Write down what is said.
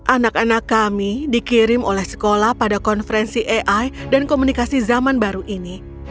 anak anak kami dikirim oleh sekolah pada konferensi ai dan komunikasi zaman baru ini